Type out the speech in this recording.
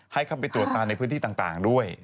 ให้เข้าไปตรวจตาในพื้นที่ต่างด้วย